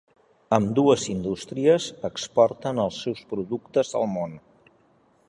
Ambdues indústries exporten els seus productes al món.